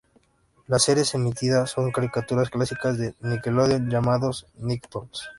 Las series emitidas son caricaturas clásicas de Nickelodeon, llamados "Nicktoons".